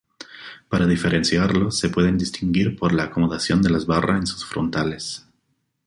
Para diferenciarlos se pueden distinguir por la acomodación de las barra en sus frontales.